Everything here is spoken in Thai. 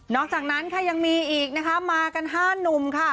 อกจากนั้นค่ะยังมีอีกนะคะมากัน๕หนุ่มค่ะ